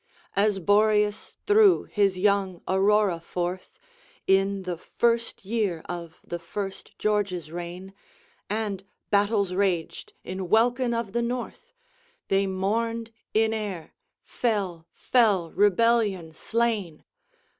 As Boreas threw his young Aurora forth, In the first year of the first George's reign, And battles raged in welkin of the North, They mourned in air, fell, fell Rebellion slain!